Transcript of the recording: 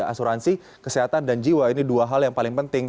asuransi kesehatan dan jiwa ini dua hal yang paling penting